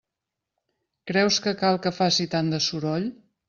Creus que cal que faci tant de soroll?